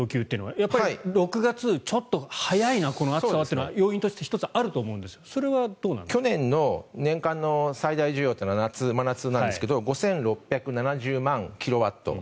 やっぱり６月ちょっと早いなこの暑さというのは要因としては１つあると思いますが去年の年間の最大需要は真夏なんですけど５６７０万キロワット。